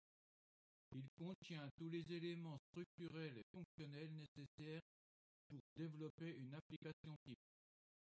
Ils contiennent tous les éléments structurels et fonctionnels nécessaires pour développer une application type.